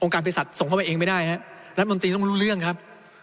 การเพศสัตว์ส่งเข้าไปเองไม่ได้ฮะรัฐมนตรีต้องรู้เรื่องครับ